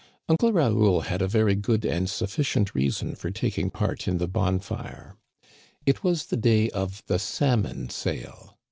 Uncle Raoul had a very good and sufficient reason for taking part in the bonfire. It was the day of the salmon sale.